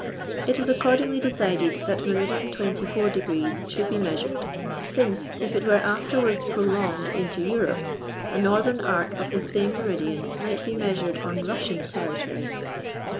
It was accordingly decided that meridian 24° should be measured, since, if it were afterwards pro longed into Europe, a northern arc of the same meridian might be measured on Russian territory.